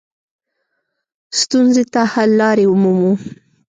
ستونزو ته حل لارې ومومو.